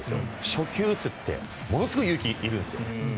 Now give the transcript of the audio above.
初球を打つってものすごい勇気がいるんです。